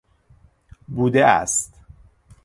بوده است